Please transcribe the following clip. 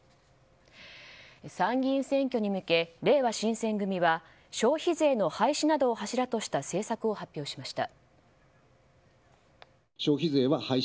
参議院選挙に向けれいわ新選組は消費税の廃止などを柱とした政策を発表しました。